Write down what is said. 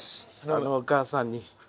あのお母さんに。